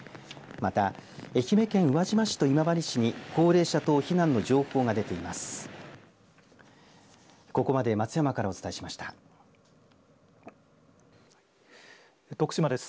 また愛媛県宇和島市と今治市に高齢者等避難の情報が出ています。